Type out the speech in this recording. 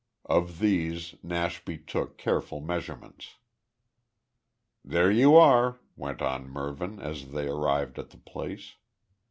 Of these Nashby took careful measurements. "There you are," went on Mervyn, as they arrived at the place.